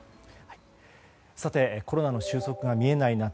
コロナの収束が見えない夏。